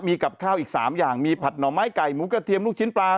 มีกับข้าวอีก๓อย่างมีผัดหน่อไม้ไก่หมูกระเทียมลูกชิ้นปลา